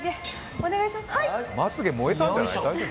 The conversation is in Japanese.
まつげ燃えたんじゃない？